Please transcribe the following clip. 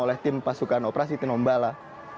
oleh tim pasukan operasi tinombala